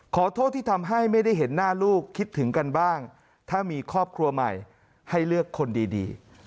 ขอโทษที่ทำให้ไม่ได้เห็นหน้าลูกคิดถึงกันบ้างถ้ามีครอบครัวใหม่ให้เลือกคนดี